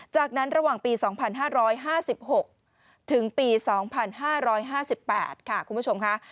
จากนั้นระหว่างปี๒๕๕๖ถึงปี๒๕๕๘ค่ะคุณผู้ชมค่ะ